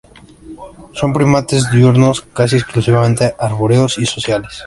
Son primates diurnos, casi exclusivamente arbóreos y sociales.